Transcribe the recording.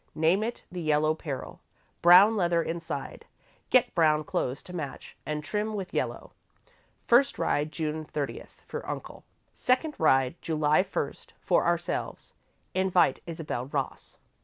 Name it 'The Yellow Peril.' Brown leather inside. Get brown clothes to match and trim with yellow. First ride, June thirtieth, for Uncle. Second ride, July first, for ourselves. Invite Isabel Ross."